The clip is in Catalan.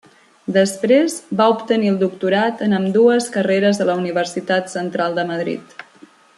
Després va obtenir el doctorat en ambdues carreres a la Universitat Central de Madrid.